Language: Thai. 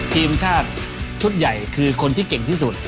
ทีมชาติชุดใหญ่คือคนที่เก่งที่สุด